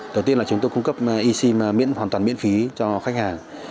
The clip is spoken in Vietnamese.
đầu tiên là chúng tôi cung cấp e sim miễn hoàn toàn miễn phí cho khách hàng